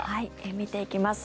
見ていきます。